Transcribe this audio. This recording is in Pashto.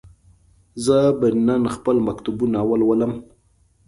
زه به نن خپل مکتوبونه ولولم.